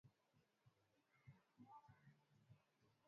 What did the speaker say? Nguo nyeusi sana kama makaa